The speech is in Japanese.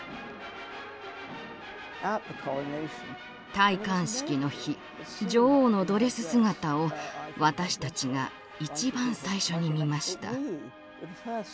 戴冠式の日女王のドレス姿を私たちが一番最初に見ました。